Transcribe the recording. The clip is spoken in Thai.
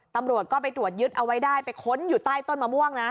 ตำรวจก็ไปตรวจยึดเอาไว้ได้ไปค้นอยู่ใต้ต้นมะม่วงนะ